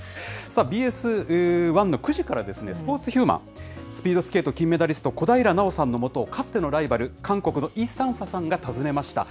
さあ、ＢＳ１の９時からですね、スポーツ×ヒューマン、スピードスケート、金メダリスト、小平奈緒さんのもとをかつてのライバル、韓国のイ・サンファさんが訪ねました。